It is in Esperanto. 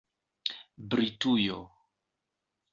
britujo